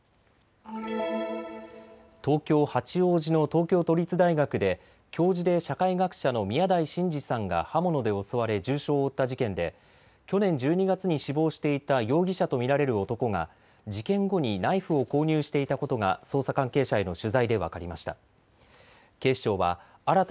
東京八王子の東京都立大学で教授で社会学者の宮台真司さんが刃物で襲われ重傷を負った事件で去年１２月に死亡していた容疑者と見られる男が事件後にナイフを購入していたことが捜査関係者への取材で分かりました。